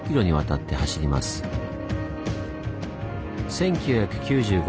１９９５年に